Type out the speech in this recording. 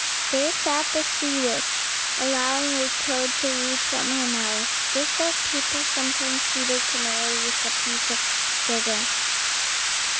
There sat the sea witch, allowing a toad to eat from her mouth, just as people sometimes feed a canary with a piece of sugar.